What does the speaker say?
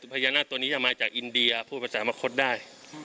พญานาคตัวนี้จะมาจากอินเดียพูดภาษามะคดได้